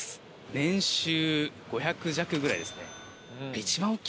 年収５００弱ぐらいですね。